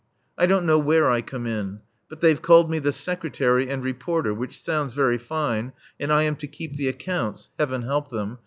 I don't know where I come in. But they've called me the Secretary and Reporter, which sounds very fine, and I am to keep the accounts (Heaven help them!)